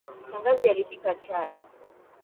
Shangazi alipika chai.